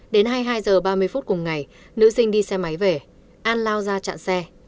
đến hai mươi hai h ba mươi phút cùng ngày nữ sinh đi xe máy về an lao ra chặn xe